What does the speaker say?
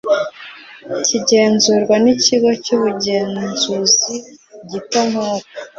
kigenzurwa n Ikigo cy ubugenzuzi gito nk uko